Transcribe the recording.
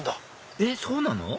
えっそうなの？